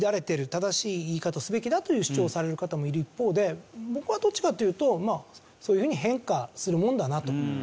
正しい言い方をすべきだ」という主張をされる方もいる一方で僕はどっちかっていうとまあそういうふうに変化するものだなというふうに。